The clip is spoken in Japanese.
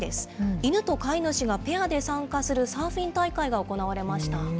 犬と飼い主がペアで参加するサーフィン大会が行われました。